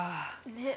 ねっ。